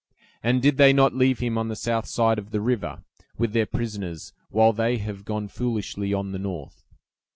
And did they not leave him on the south side of the river, with their prisoners, while they have gone foolishly on the north?